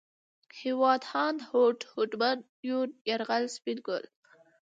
هېواد ، هاند ، هوډ ، هوډمن ، يون ، يرغل ، سپين ګل